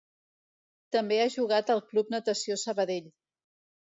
També ha jugat al Club Natació Sabadell.